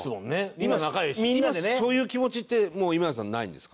今そういう気持ちってもう今田さんないんですか？